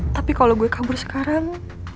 tapi kalau gue kabur sekarang